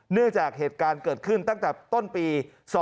เนื่องจากเหตุการณ์เกิดขึ้นตั้งแต่ต้นปี๒๕๖